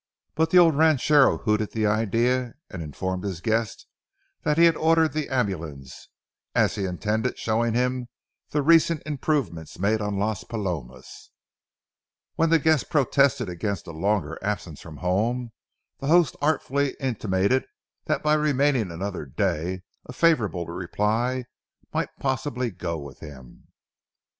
But the old ranchero hooted the idea, and informed his guest that he had ordered the ambulance, as he intended showing him the recent improvements made on Las Palomas. When the guest protested against a longer absence from home, the host artfully intimated that by remaining another day a favorable reply might possibly go with him.